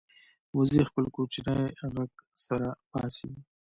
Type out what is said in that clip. وزې خپل کوچنی غږ سره باسي